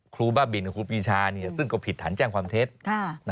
บ้าบินกับครูปีชาซึ่งก็ผิดฐานแจ้งความเท็จ